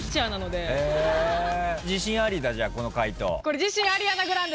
自信ありだじゃあこの解答。